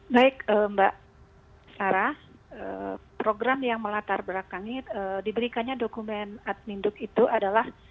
baik mbak sarah program yang melatar belakangi diberikannya dokumen admin duk itu adalah